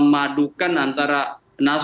dan juga masyarakat